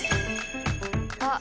あっ！